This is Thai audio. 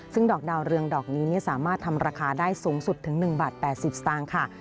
ซึ่งดอกดาวเรืองดอกนี้สามารถทำราคาได้สูงสุดถึง๑บาท๘๐สตางค์ค่ะ